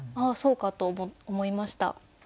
あそうかと思いました。